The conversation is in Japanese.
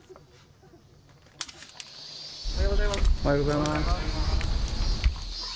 おはようございます。